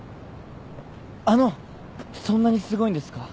あのそんなにすごいんですか？